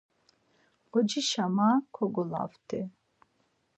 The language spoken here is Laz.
Xocişa ma kogolaft̆i.